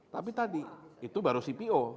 tapi tadi itu baru cpo